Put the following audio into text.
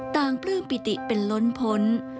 ปลื้มปิติเป็นล้นพ้น